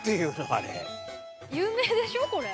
有名でしょこれ。